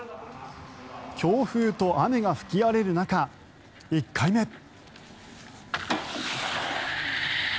強風と雨が吹き荒れる中１回目。